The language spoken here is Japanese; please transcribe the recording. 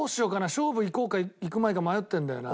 勝負いこうかいくまいか迷ってるんだよな。